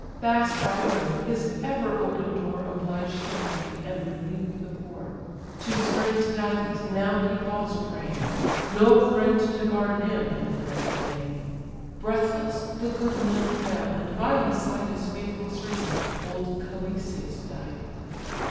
Fast by the road, his ever open door Obliged the wealthy, and relieved the poor. To stern Tydides now he falls a prey, No friend to guard him in the dreadful day! Breathless the good man fell, and by his side His faithful servant, old Calesius died.